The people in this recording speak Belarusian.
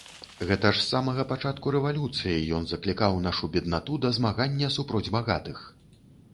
Гэта ж з самага пачатку рэвалюцыі ён заклікаў нашу беднату да змагання супроць багатых.